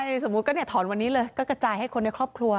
สมมุติก็เนี่ยถอนวันนี้เลยก็กระจายให้คนในครอบครัว